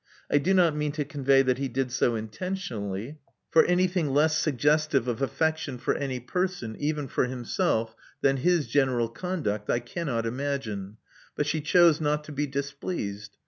I do not mean to convey that he did so intentionally ; for anything less Love Among the Artists 207 suggestive of affection for any person— even for him self — than his general conduct, I cannot imagine ; but she chose not to be displeased.